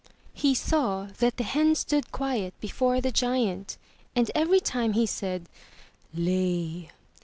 He saw that the hen stood quiet before the giant, and every time he said ''Lay!'